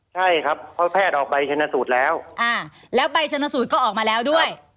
ใช่ครับเพราะแพทย์ออกไปชนสูตรแล้วแล้วใบชนสูตรก็ออกมาแล้วด้วย